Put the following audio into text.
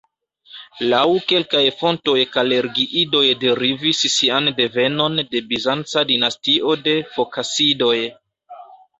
Laŭ kelkaj fontoj Kalergiidoj derivis sian devenon de bizanca dinastio de Fokasidoj.